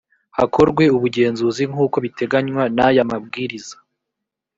hakorwe ubugenzuzi nkuko biteganywa n aya mabwiriza